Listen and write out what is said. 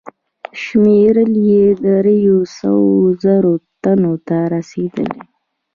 شمېر یې دریو سوو زرو تنو ته رسېدی.